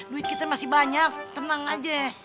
duit kita masih banyak tenang aja